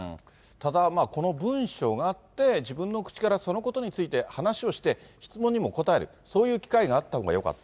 ただまあ、この文書があって、自分の口からそのことについて話しをして質問にも答える、そういう機会があったほうがよかった。